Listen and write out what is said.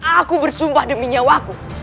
aku bersumpah demi nyawaku